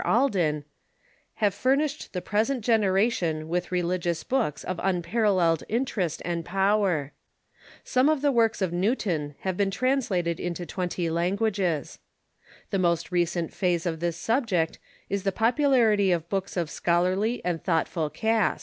Alden), have furnished the present generation with religious books of unparalleled interest and power. Some of the works of Newton have been translated into twenty languages. The most recent phase of this subject is the popularity of books of scholarly and thought ful cast.